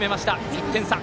１点差。